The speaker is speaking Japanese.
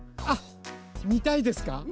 あっみたいですか？